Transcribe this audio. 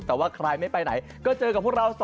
แต่ว่าใครไม่ไปไหนก็เจอกับพวกเรา